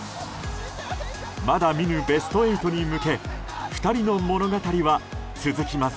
まだ見ぬベスト８に向け２人の物語は続きます。